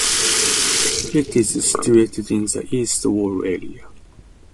It is situated in the East Wall area.